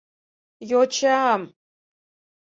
— Йо-чам!